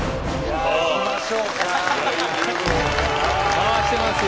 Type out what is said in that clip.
回してますよ。